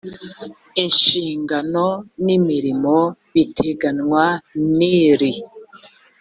inshingano n imirimo biteganywa n iri